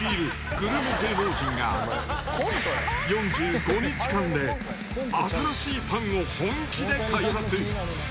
グルメ芸能人が、４５日間で新しいパンを本気で開発。